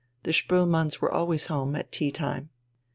The Spoelmanns were always at home at tea time.